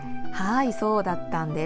そうだったんです。